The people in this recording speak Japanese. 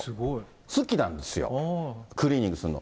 好きなんですよ、クリーニングするの。